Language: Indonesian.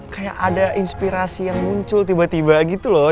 kayak ada inspirasi yang muncul tiba tiba gitu loh